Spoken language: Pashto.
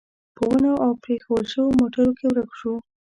په ونو او پرېښوول شوو موټرو کې ورک شو.